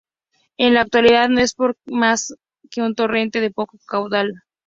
En la actualidad no es más que un torrente de poco caudal.